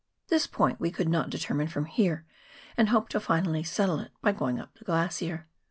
This point we could not determine from here and hoped to finally settle it by going up the glacier.